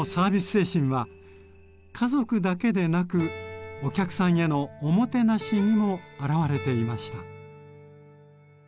精神は家族だけでなくお客さんへのおもてなしにも表れていました。